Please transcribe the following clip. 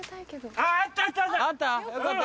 あった？